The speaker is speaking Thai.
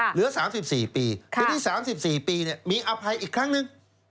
เหลือ๓๔ปีทีนี้๓๔ปีมีอภัยอีกครั้งนึง